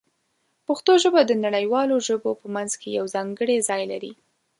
پښتو ژبه د نړیوالو ژبو په منځ کې یو ځانګړی ځای لري.